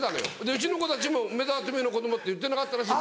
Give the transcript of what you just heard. うちの子たちも梅沢富美男の子供って言ってなかったらしい。